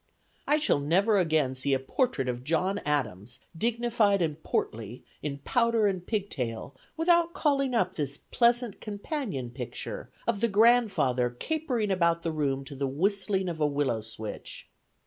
I shall never again see a portrait of John Adams, dignified and portly, in powder and pigtail, without calling up this pleasant companion picture of the grandfather capering about the room to the whistling of a willow switch.